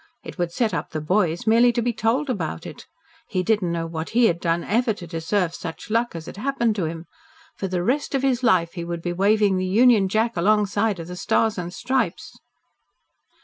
It would set up the boys merely to be told about it. He didn't know what HE had ever done to deserve such luck as had happened to him. For the rest of his life he would he waving the Union Jack alongside of the Stars and Stripes.